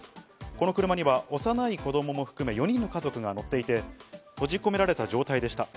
この車には幼い子供も含め、４人の家族が乗っていて閉じ込められた状態でした。